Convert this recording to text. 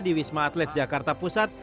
di wisma atlet jakarta pusat